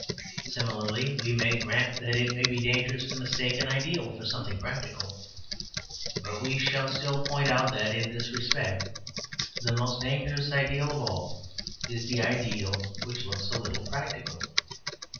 Similarly, we may grant that it may be dangerous to mistake an ideal for something practical. But we shall still point out that, in this respect, the most dangerous ideal of all is the ideal which looks a little practical.